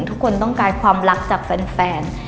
ทุกคนต้องการความรักจากแฟน